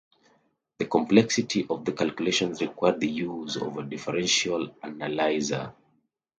The complexity of the calculations required the use of a differential analyser.